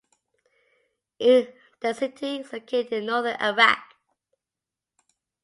The city is located in northern Iraq.